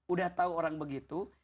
udah tahu orang begitu